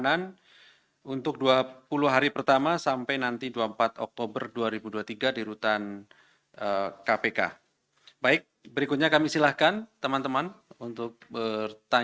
oke satu dulu silakan mas chandra